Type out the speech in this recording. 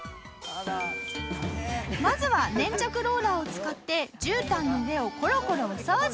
まずは粘着ローラーを使ってじゅうたんの上をコロコロお掃除。